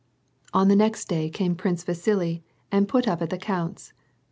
On the next day came Prince Vasili and put up at the count's.